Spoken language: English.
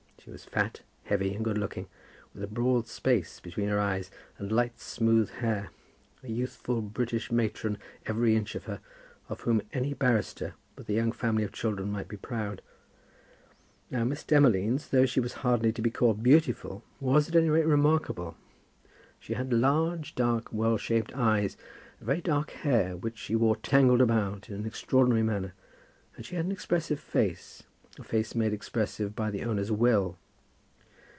She was fat, heavy, and good looking; with a broad space between her eyes, and light smooth hair; a youthful British matron every inch of her, of whom any barrister with a young family of children might be proud. Now Miss Demolines, though she was hardly to be called beautiful, was at any rate remarkable. She had large, dark, well shaped eyes, and very dark hair, which she wore tangled about in an extraordinary manner, and she had an expressive face, a face made expressive by the owner's will.